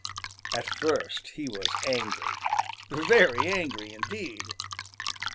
At first he was angry, very angry indeed.